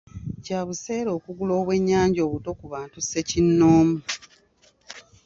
Kya buseere okugula obwennyanja obuto ku bantu ssekinnoomu.